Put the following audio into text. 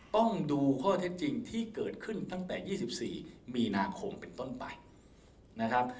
ต้องดูข้อเท็จจริงที่เกิดขึ้นตั้งแต่๒๔มีนาคมเป็นต้นไปนะครับ